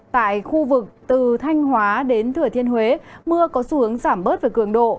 tại khu vực từ thanh hóa đến thừa thiên huế mưa có xu hướng giảm bớt về cường độ